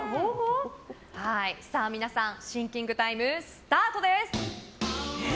皆さん、シンキングタイムスタートです。